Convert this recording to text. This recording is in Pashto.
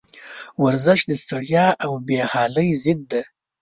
ورزش د ستړیا او بېحالي ضد دی.